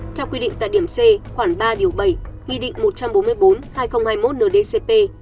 theo quy định tại điểm c khoảng ba điều bảy nghị định một trăm bốn mươi bốn hai nghìn hai mươi một ndcp